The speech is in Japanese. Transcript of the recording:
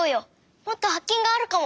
もっとはっけんがあるかも！